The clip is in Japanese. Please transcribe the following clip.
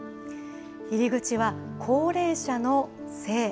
入り口は高齢者の性。